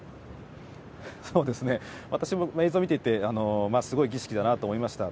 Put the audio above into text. そうですね、私も映像を見ていて、すごい儀式だなと思いました。